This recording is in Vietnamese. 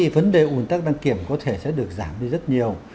vấn đề ủn tắc đăng kiểm có thể sẽ được giảm đi rất nhiều